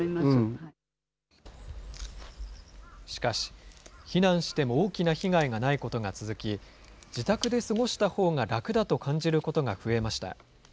しかし、避難しても大きな被害がないことが続き、自宅で過ごしたほうが楽だと感じることが増えました。